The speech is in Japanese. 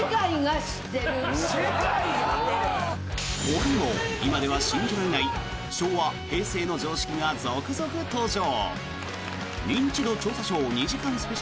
ほかにも、今では信じられない昭和・平成の常識が続々登場。